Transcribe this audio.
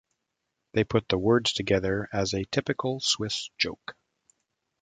They put the words together as a typical Swiss joke.